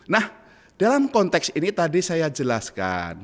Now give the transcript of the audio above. nah dalam konteks ini tadi saya jelaskan